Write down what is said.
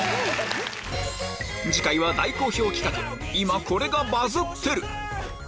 次回は大好評企画今これがバズってる！